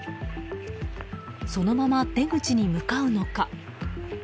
そのまま出口に向かうのか？